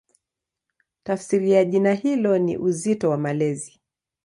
Tafsiri ya jina hilo ni "Uzito wa Malezi".